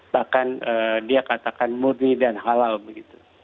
bahkan dia katakan murni dan halal begitu